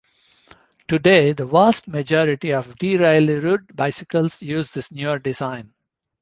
Today the vast majority of derailleured bicycles use this newer design.